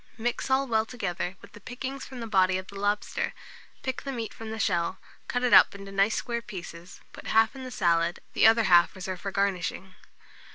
Mix all well together with the pickings from the body of the lobster; pick the meat from the shell, cut it up into nice square pieces, put half in the salad, the other half reserve for garnishing.